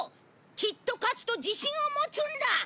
きっと勝つと自信を持つんだ！